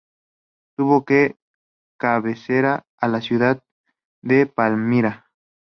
Tuvo por cabecera a la ciudad de Palmira.